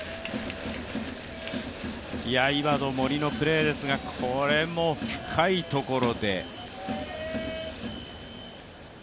今の森のプレーですが、これも深いところで。